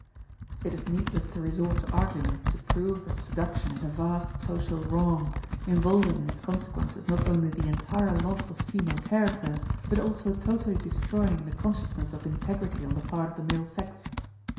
It is needless to resort to argument to prove that seduction is a vast social wrong, involving in its consequences not only the entire loss of female character, but also totally destroying the consciousness of integrity on the part of the male sex.